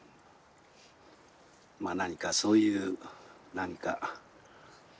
まあ何かそういうなんか。